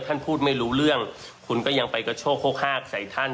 ท่านพูดไม่รู้เรื่องคุณก็ยังไปกระโชคโฮกฮากใส่ท่าน